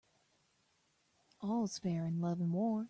All's fair in love and war.